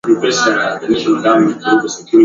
selun dalien diaro na sasa amemzidi